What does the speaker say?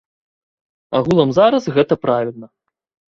Агулам зараз гэта правільна.